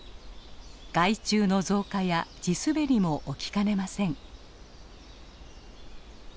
害虫の増加や地滑りも起きかねません。